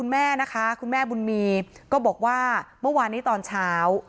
เมื่อวานนี้ตอนเช้า